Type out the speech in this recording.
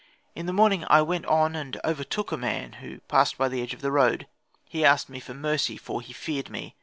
In the morning I went on and overtook a man, who passed by the edge of the road. He asked of me mercy, for he feared me.